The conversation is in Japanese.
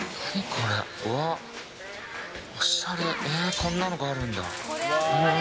こんなのがあるんだ。